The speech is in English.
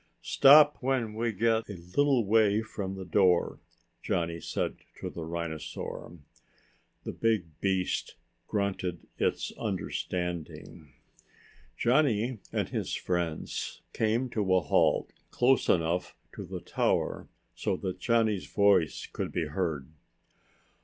"Stop when we get a little way from the door," Johnny said to the rhinosaur. The big beast grunted its understanding. Johnny and his friends came to a halt close enough to the tower so that Johnny's voice could be heard.